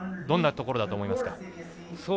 どんなところだと思いますか？